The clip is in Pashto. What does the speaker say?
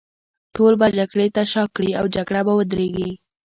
ټول به جګړې ته شا کړي، او جګړه به ودرېږي.